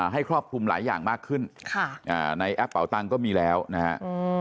ให้ควบคุมหลายอย่างมากขึ้นในแอปเป่าตังก็มีแล้วนะฮะ